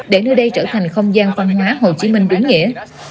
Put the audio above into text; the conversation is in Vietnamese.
để nơi đây trở thành không gian văn hóa hồ chí minh đúng nghĩa